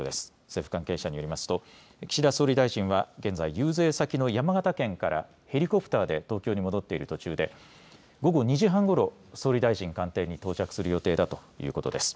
政府関係者によりますと岸田総理大臣は現在、遊説先の山形県からヘリコプターで東京に戻っている途中で午後２時半ごろ総理大臣官邸に到着する予定だということです。